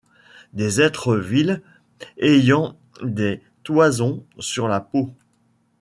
Des êtres vils ayant des toisons sur la peau